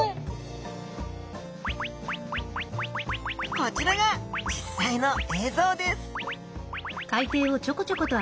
こちらが実際の映像です